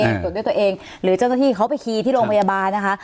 ตรวจด้วยตัวเองหรือเจ้าหน้าที่เขาไปคีย์ที่โรงพยาบาลนะคะ